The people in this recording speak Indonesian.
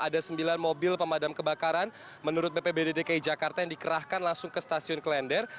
ada sembilan mobil pemadam kebakaran menurut bpbd dki jakarta yang dikerahkan langsung ke stasiun klender